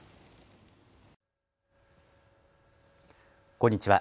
こんにちは。